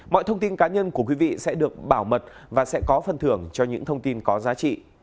mọi thông tin cá nhân của quý vị sẽ được bảo mật và sẽ có phần thưởng cho những thông tin có giá trị